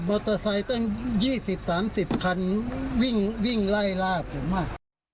เตอร์ไซค์ตั้ง๒๐๓๐คันวิ่งไล่ล่าผมอ่ะ